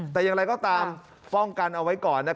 แต่อย่างไรก็ตามป้องกันเอาไว้ก่อน